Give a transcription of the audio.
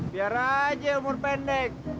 biar aja umur pendek